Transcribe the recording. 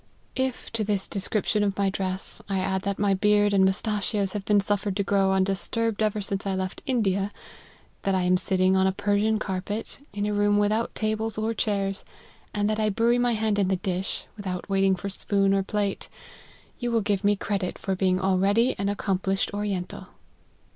If to this description of my dress, I add, that my beard and mustachios 136 LIFE OF HENRY MARTYN. have been suffered to grow undisturbed ever since I left India, that I am sitting on a Persian carpet, in a room without tables or chairs, and that I bury my hand in the dish, without waiting for spoon or plate, you will give me credit for being already an accomplished oriental."